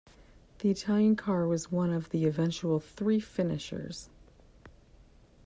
The Italian car was one of the eventual three finishers.